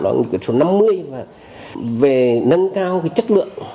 đó là nghị quyết số năm mươi về nâng cao chất lượng